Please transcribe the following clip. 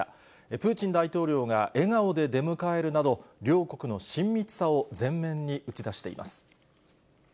プーチン大統領が笑顔で出迎えるなど、両国の親密さを前面に打ち出しています。